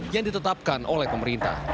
yang ditetapkan oleh pemerintah